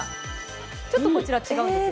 ちょっとこちら違うんですよ。